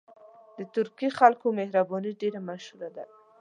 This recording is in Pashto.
د ترکي خلکو مهرباني ډېره مشهوره ده.